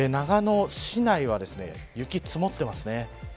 長野市内は雪積もってますね。